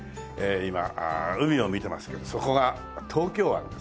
今海を見てますけどそこが東京湾ですねえ。